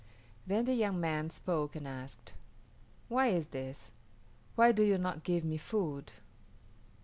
Then the young man spoke and asked, "Why is this? Why do you not give me food?"